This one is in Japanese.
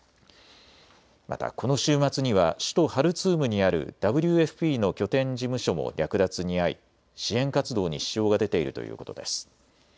またこの週末には首都ハルツームにあるＷＦＰの拠点事務所も略奪に遭い支援活動に支障が出ているということです。